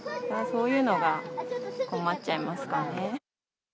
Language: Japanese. そういうのが困っちゃいますかね。